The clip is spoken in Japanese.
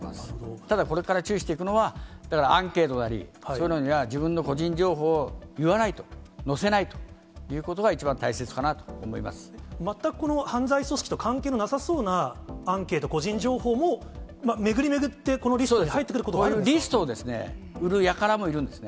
ただ、これから注意していくのは、だからアンケートなり、そういうのには自分の個人情報を言わないと、載せないということ全くこの犯罪組織と関係のなさそうなアンケート、個人情報も、巡り巡ってこのリストに入ってくることがあるんですか。